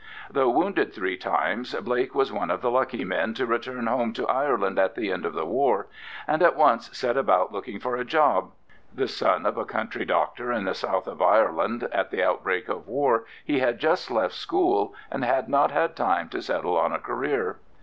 Though wounded three times, Blake was one of the lucky men to return home to Ireland at the end of the war, and at once set about looking for a job. The son of a country doctor in the south of Ireland, at the outbreak of war he had just left school, and had not had time to settle on a career.